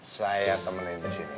saya temenin disini